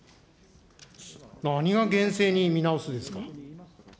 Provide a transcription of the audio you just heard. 何が厳正に見直すですか。